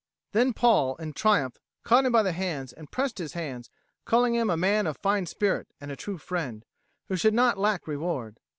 Then Paul, in triumph, caught him by the hands and pressed his hands, calling him a man of fine spirit and a true friend, who should not lack reward.